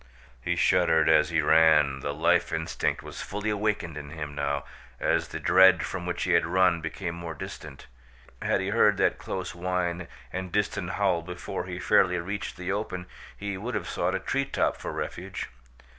He shuddered as he ran. The life instinct was fully awakened in him now, as the dread from which he had run became more distant. Had he heard that close whine and distant howl before he fairly reached the open he would have sought a treetop for refuge.